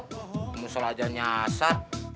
kamu selajar nyasar